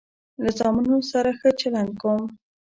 له زامنو سره ښه چلند کوم.